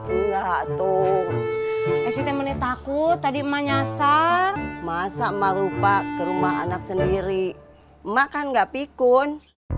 enggak tuh siti menit takut tadi emang nyasar masa maupa rumah anak sendiri makan enggak pikun